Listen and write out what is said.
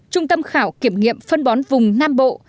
trung tâm khảo kiểm nghiệm phân bón vùng nam bộ